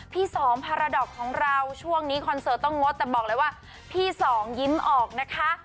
สองพาราดอกของเราช่วงนี้คอนเสิร์ตต้องงดแต่บอกเลยว่าพี่สองยิ้มออกนะคะ